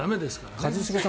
一茂さん